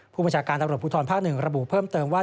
ผู้บัญชาการตำรวจภูทรภาค๑ระบุเพิ่มเติมว่า